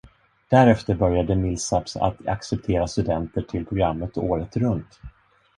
Därefter började Millsaps att acceptera studenter till programmet året runt.